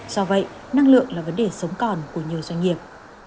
do vậy năng lượng là vấn đề sống còn của nhiều doanh nghiệp